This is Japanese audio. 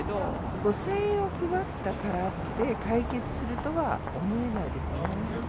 ５０００円を配ったからって、解決するとは思えないですね。